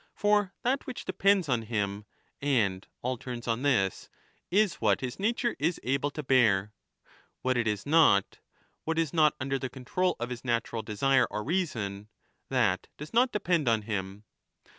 For that which depends on him — and all turns on this — is what his nature is able to bear ; what it is not, what is not under the control of his natural desire or reason, that does not depend on him.